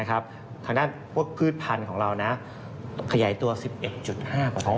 ข้างด้านพวกพืชพันธุ์ของเราขยายตัว๑๑๕เปอร์เซ็นต์